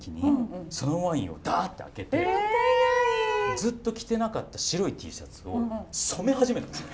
ずっと着てなかった白いＴシャツを染め始めたんですよ。